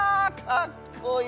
かっこいい！